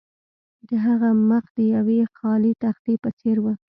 د هغه مخ د یوې خالي تختې په څیر و